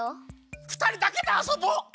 ふたりだけであそぼう！